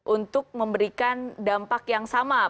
untuk memberikan dampak yang sama